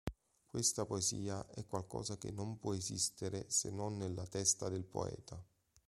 Questa poesia è qualcosa che non può esistere se non nella testa del poeta.